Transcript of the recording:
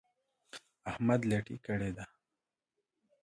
احمد لټي کړې ده.